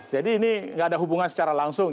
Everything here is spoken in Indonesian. jadi ini gak ada hubungan secara langsung